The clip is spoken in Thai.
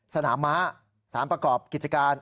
สถานม้าสถานประกอบศิษย์กิจการ